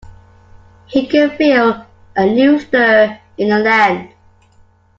He could feel a new stir in the land.